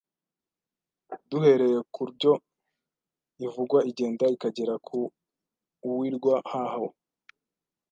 Duhereye ku uryo iivugwa igenda ikagera ku uwirwa haho